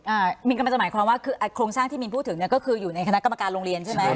มินกำลังจะหมายความว่าคืออาโครงสร้างที่มินพูดถึงเนี้ยก็คืออยู่ในคณะกรรมการโรงเรียนใช่ไหม